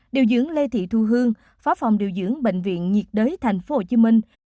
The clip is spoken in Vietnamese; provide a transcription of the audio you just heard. điều dưỡng lê thị thu hương phó phòng điều dưỡng bệnh viện nhiệt đới tp hcm